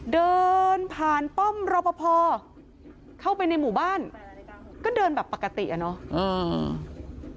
เดินผ่านป้อมรอปภเข้าไปในหมู่บ้านก็เดินแบบปกติอ่ะเนาะ